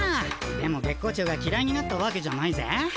でも月光町がきらいになったわけじゃないぜ。